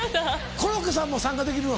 コロッケさんも参加できるの？